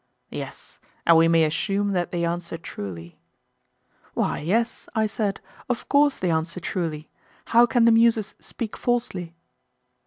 Yes, and we may assume that they answer truly. Why, yes, I said, of course they answer truly; how can the Muses speak falsely?